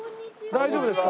大丈夫ですか？